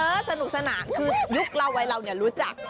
สนุกสนานคือยุคเราวัยเราเนี่ยรู้จัก